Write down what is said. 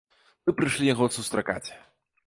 Мы прыйшлі яго сустракаць.